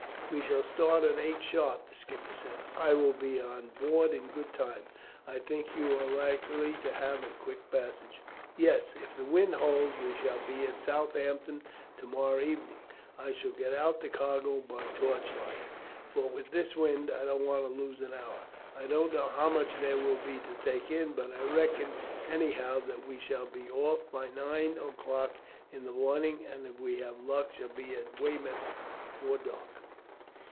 "We shall start at eight sharp," the skipper said. "I will be on board in good time. I think you are likely to have a quick passage." "Yes, if the wind holds we shall be at Southampton tomorrow evening. I shall get out the cargo by torchlight, for with this wind I don't want to lose an hour. I don't know how much there will be to take in, but I reckon anyhow that we shall be off by nine o'clock in the morning, and if we have luck shall be at Weymouth before dark."